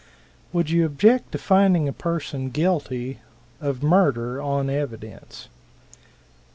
"Would you object to finding a person guilty of murder on evidence?"